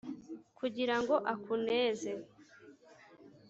Kugira ngo akuneze.